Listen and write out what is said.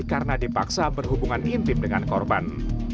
karena dipaksa berhubungan intim dengan korban